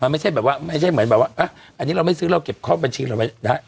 มันไม่ใช่แบบว่าอันนี้เราไม่ซื้อแล้วเก็บข้อบัญชีเราไว้